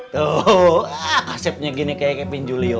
tuh asepnya gini kayak kevin julio